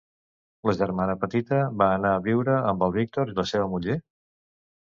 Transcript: La germana petita va anar a viure amb el Víctor i la seva muller?